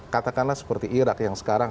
katakanlah seperti irak yang sekarang